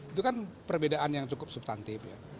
itu kan perbedaan yang cukup substantif ya